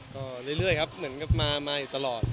ก็เรื่อยครับเหมือนกับมาอยู่ตลอด